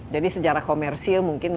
jadi secara komersil mungkin